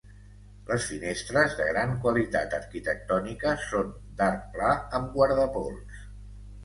Les finestres, de gran qualitat arquitectònica, són d'arc pla amb guardapols.